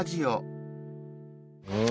うん！